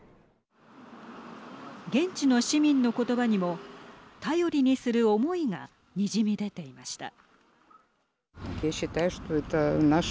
現地の市民の言葉にも頼りにする思いがにじみ出ていました。